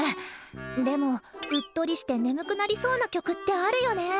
でもうっとりして眠くなりそうな曲ってあるよね。